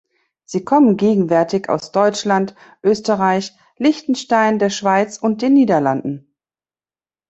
Sie kommen gegenwärtig aus Deutschland, Österreich, Liechtenstein, der Schweiz und den Niederlanden.